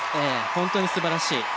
本当に素晴らしい。